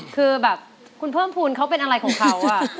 คือแบบคุณเพิ่มภูมิเขาเป็นอะไรของเขา